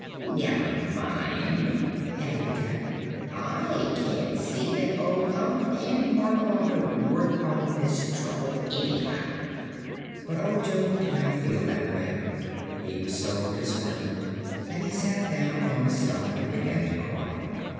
"Never mind," added the cat. "I can't see that old Unc and Margolotte are worth all this trouble, anyhow." But Ojo did not feel that way. He was so disheartened that he sat down upon a stump and began to cry.